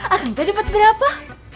agang teh dapat berapa